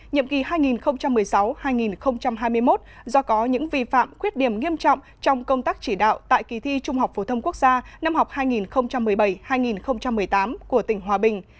nhiệm kỳ hai nghìn một mươi sáu hai nghìn hai mươi một do có những vi phạm khuyết điểm nghiêm trọng trong công tác chỉ đạo tại kỳ thi trung học phổ thông quốc gia năm học hai nghìn một mươi bảy hai nghìn một mươi tám của tỉnh hòa bình